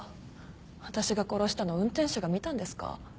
私が殺したのを運転手が見たんですか？